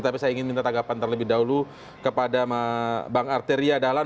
tapi saya ingin minta tanggapan terlebih dahulu kepada bang arteria dahlan